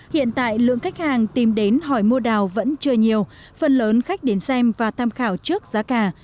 hiện tại lượng khách hàng tìm đến hỏi mua đào vẫn chưa nhiều phần lớn khách đến xem và tham khảo trước giá cả